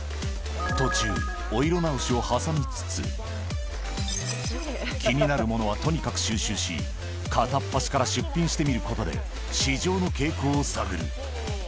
途中、お色直しを挟みつつ、気になるものはとにかく収集し、片っ端から出品してみることで、市場の傾向を探る。